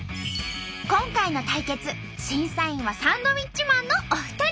今回の対決審査員はサンドウィッチマンのお二人。